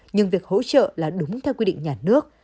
nhưng việc hỗ trợ là đúng theo quy định nhà nước